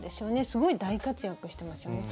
すごい大活躍してますよね。